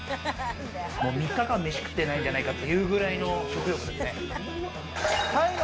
３日間飯食ってないんじゃないかというぐらいの食欲だね。